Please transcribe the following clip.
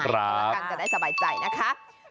กันจะได้สบายใจนะคะ